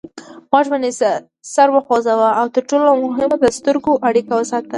غوږ ونیسه سر وخوځوه او تر ټولو مهمه د سترګو اړیکه وساته.